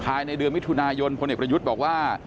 ภายในเดือนมิถุนายนพลเอกประยุทธ์บอกว่า